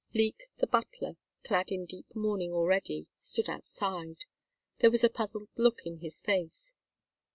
Leek, the butler, clad in deep mourning already, stood outside. There was a puzzled look in his face.